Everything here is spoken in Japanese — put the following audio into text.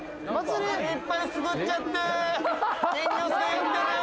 いっぱいすくっちゃって金魚すくいやってるよ